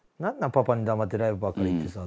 パパに黙ってライブばっかり行ってさ。